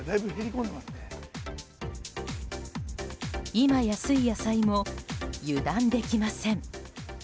今安い野菜も油断できません。